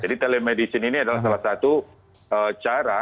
jadi telemedicine ini adalah salah satu cara